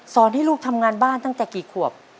ให้ลูกทำงานบ้านตั้งแต่กี่ขวบ